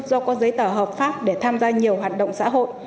do có giấy tờ hợp pháp để tham gia nhiều hoạt động xã hội